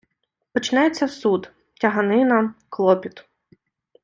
Почнеться суд, тяганина, клопіт.